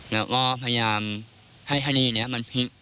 แล้วก็พยายามให้ทะนีเนี่ยมันพิก